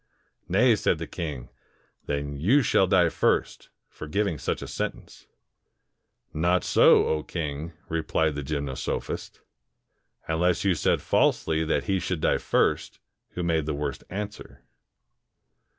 "Xay," said the king, "then you shall die first, for gi\'ing such a sentence." "Not so. 0 king," replied the g}Tnnosophist, "unless you said falsely that he should die first who made the worst answer."